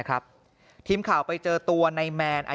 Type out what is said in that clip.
ยายถามนิ่งแต่เจ็บลึกถึงใจนะ